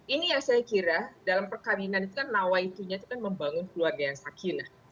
ini yang saya kira dalam perkawinan itu kan nawaitunya itu kan membangun keluarga yang sakinah